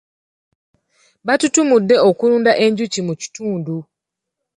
Batutumudde okulunda enjuki mu kitundu .